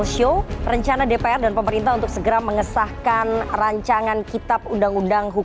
selamat malam mbak riffana